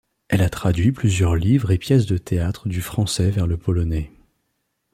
Elle a traduit plusieurs livres et pièces de théâtre du français vers le polonais.